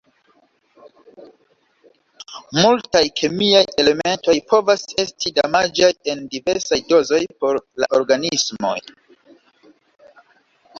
Multaj kemiaj elementoj povas esti damaĝaj en diversaj dozoj por la organismoj.